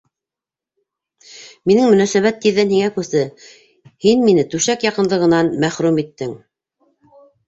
Минең мөнәсәбәт тиҙҙән һиңә күсте, һин мине түшәк яҡынлығынан мәхрүм иттең.